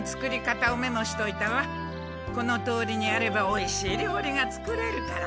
このとおりにやればおいしい料理が作れるから。